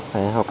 phải qua học